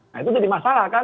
nah itu jadi masalah kan